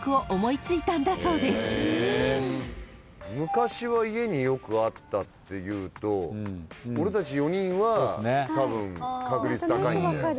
昔は家によくあったっていうと俺たち４人はたぶん確率高いんだよ。